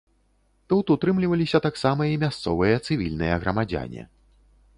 Тут утрымліваліся таксама і мясцовыя цывільныя грамадзяне.